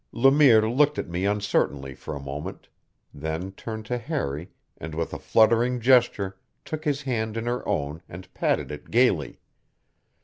Le Mire looked at me uncertainly for a moment, then turned to Harry and with a fluttering gesture took his hand in her own and patted it gaily.